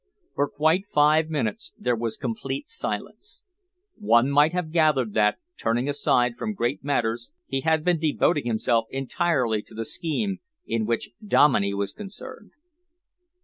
For quite five minutes there was complete silence. One might have gathered that, turning aside from great matters, he had been devoting himself entirely to the scheme in which Dominey was concerned.